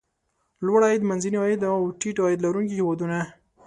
لوړ عاید، منځني عاید او ټیټ عاید لرونکي هېوادونه.